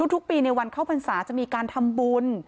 ทุกปีในวันเข้าพรรษาจะมีการทำบุญ